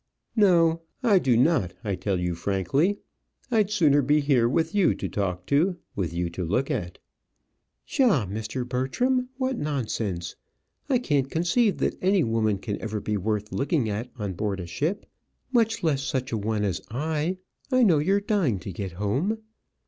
"No, I do not; I tell you frankly. I'd sooner be here with you to talk to, with you to look at." "Psha, Mr. Bertram! what nonsense! I can't conceive that any woman can ever be worth looking at on board a ship much less such a one as I! I know you're dying to get home."